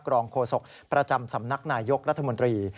รองโฆษกประจำสำนักนายยกรัฐมนตรี